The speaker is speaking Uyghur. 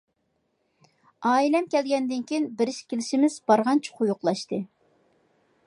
ئائىلەم كەلگەندىن كېيىن بېرىش-كېلىشىمىز بارغانچە قويۇقلاشتى.